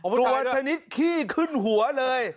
กลัวชะหนิกคี่ขึ้นหัวเลย